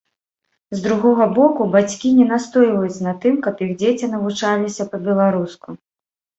З другога боку, бацькі не настойваюць на тым, каб іх дзеці навучаліся па-беларуску.